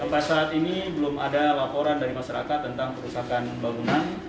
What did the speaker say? sampai saat ini belum ada laporan dari masyarakat tentang kerusakan bangunan